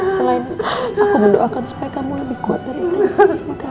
selain aku mendoakan supaya kamu lebih kuat dari ikhlas ya kan